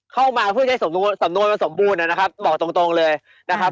เข้ามาเพื่อจะให้สำนวนมันสมบูรณ์นะครับบอกตรงตรงเลยนะครับ